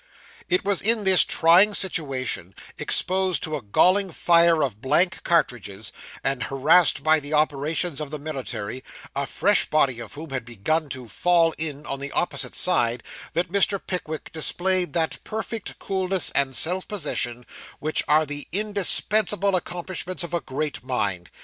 It was in this trying situation, exposed to a galling fire of blank cartridges, and harassed by the operations of the military, a fresh body of whom had begun to fall in on the opposite side, that Mr. Pickwick displayed that perfect coolness and self possession, which are the indispensable accompaniments of a great mind.